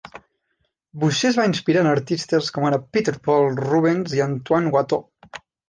Boucher es va inspirar en artistes com ara Peter Paul Rubens i Antoine Watteau.